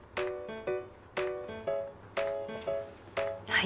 はい。